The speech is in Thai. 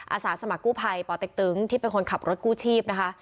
อาสาสมัครกู้ภัยปเต็กตึงที่เป็นคนขับรถกู้ชีพนะคะ